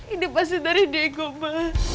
ini pasti dari diego pak